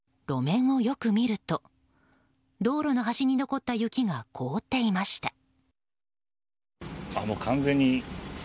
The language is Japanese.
路面をよく見ると道路の端に残った雪が凍っていました。